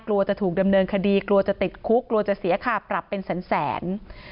กลัวจะถูกดำเนินคดีกลัวจะติดคุกกลัวจะเสียค่าปรับเป็นแสน